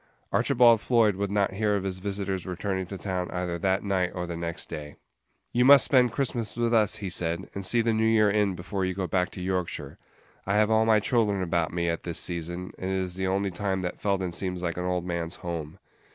Archibald Floyd would not hear of his visitor's returning to town either that night or the next day. "You must spend Christmas with us," he said, "and see the New Year in before you go back to Yorkshire. I have all my children about me at this season, and it is the only time that Felden seems like an old man's home.